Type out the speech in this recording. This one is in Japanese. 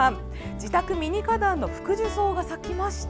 自宅ミニ花壇のフクジュソウが咲きました。